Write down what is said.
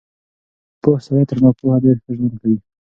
پوه سړی تر ناپوهه ډېر ښه ژوند کوي.